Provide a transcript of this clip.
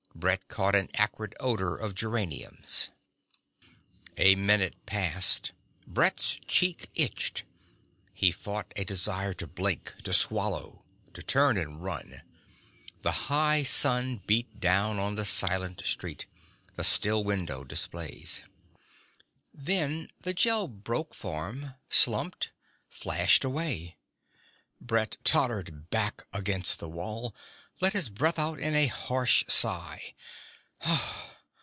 Brett caught an acrid odor of geraniums. A minute passed. Brett's cheek itched. He fought a desire to blink, to swallow to turn and run. The high sun beat down on the silent street, the still window displays. Then the Gel broke form, slumped, flashed away. Brett tottered back against the wall, let his breath out in a harsh sigh.